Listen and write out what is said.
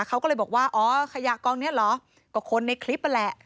เขาก็เลยบอกว่าอ๋อขยะกองนี้เหรอก็คนในคลิปนั่นแหละ